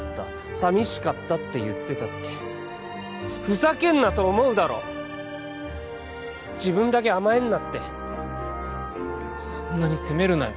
「寂しかった」って言ってたってふざけんなと思うだろ自分だけ甘えんなってそんなに責めるなよ